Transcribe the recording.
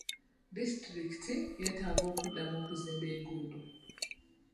Disitulikiti yeetaaga okuddamu okuzimba enguudo.